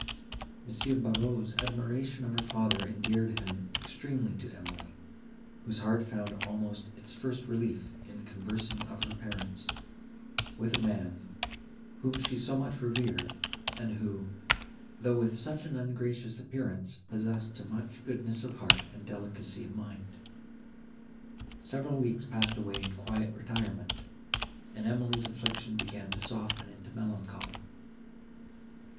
M. Barreaux's admiration of her father endeared him extremely to Emily, whose heart found almost its first relief in conversing of her parents, with a man, whom she so much revered, and who, though with such an ungracious appearance, possessed to much goodness of heart and delicacy of mind. Several weeks passed away in quiet retirement, and Emily's affliction began to soften into melancholy.